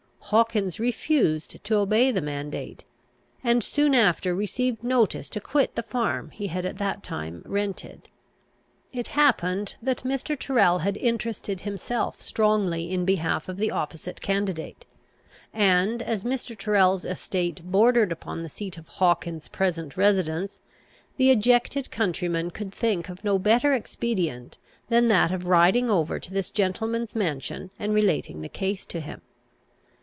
Hawkins refused to obey the mandate, and soon after received notice to quit the farm he at that time rented. It happened that Mr. Tyrrel had interested himself strongly in behalf of the opposite candidate; and, as Mr. Tyrrel's estate bordered upon the seat of Hawkins's present residence, the ejected countryman could think of no better expedient than that of riding over to this gentleman's mansion, and relating the case to him.